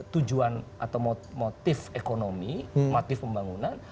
tujuan atau motif ekonomi motif pembangunan